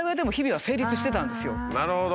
なるほど！